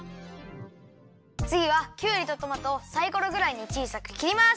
つぎはきゅうりとトマトをサイコロぐらいにちいさくきります。